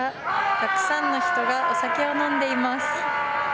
たくさんの人がお酒を飲んでいます。